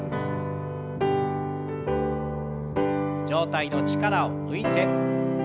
上体の力を抜いて。